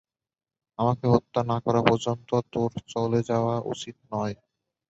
আমাকে হত্যা না করা পর্যন্ত, তোর চলে যাওয়া উচিৎ নয়।